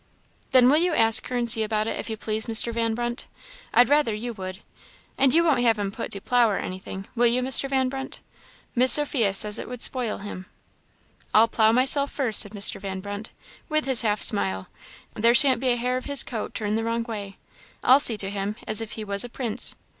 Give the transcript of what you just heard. "Then will you ask her and see about it, if you please, Mr. Van Brunt! I'd rather you would. And you won't have him put to plough or anything, will you, Mr. Van Brunt? Miss Sophia says it would spoil him." "I'll plough myself first," said Mr. Van Brunt, with his half smile; "there shan't be a hair of his coat turned the wrong way. I'll see to him as if he was a prince."